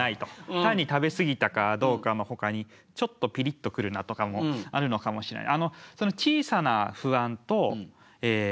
単に食べ過ぎたかどうかのほかにちょっとピリッとくるなとかもあるのかもしれない。